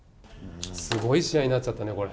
すごい試合になっちゃったね、これ。